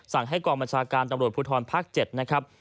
สั่งให้กองบัญชาการตำรวจพูทธรณ์พ๗